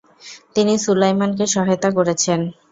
তিনি সুলাইমানকে সহায়তা করেছেন।